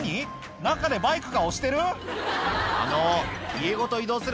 中でバイクが押してる？